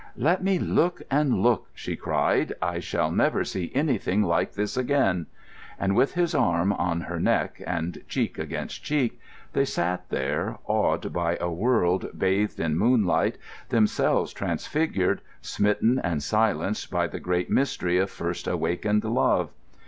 "Let me look and look," she cried; "I shall never see anything like this again!" And with his arm on her neck, and cheek against cheek, they sat there, awed by a world bathed in moonlight, themselves transfigured, smitten and silenced by the great mystery of first awakened love.